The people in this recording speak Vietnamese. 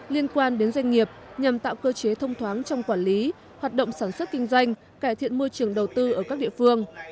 liên quan đến doanh nghiệp nhằm tạo cơ chế thông thoáng trong quản lý hoạt động sản xuất kinh doanh cải thiện môi trường đầu tư ở các địa phương